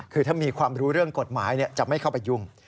คือถ้ามีความรู้เรื่องกฎหมายจะไม่เข้าไปยุ่ง